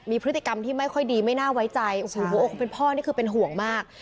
มีพฤติกรรมที่ไม่ค่อยดีไม่น่าไว้ใจโอ้โหหัวอกคนเป็นพ่อนี่คือเป็นห่วงมาก